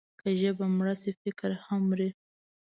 که ژبه مړه شي، فکر هم مري.